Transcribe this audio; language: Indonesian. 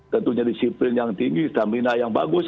tentunya disiplin yang tinggi stamina yang bagus